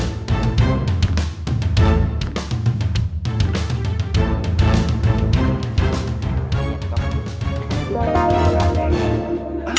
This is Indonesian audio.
gak ada kecepatan